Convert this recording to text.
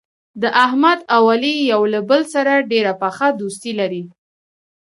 د احمد او علي یو له بل سره ډېره پخه دوستي لري.